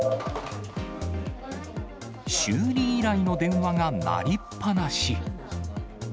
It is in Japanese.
修理依頼の電話が鳴りっぱなし。